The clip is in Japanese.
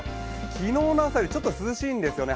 昨日の朝よりちょっと涼しいんですよね。